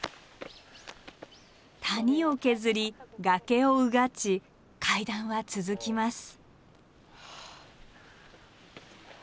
谷を削り崖をうがち階段は続きます。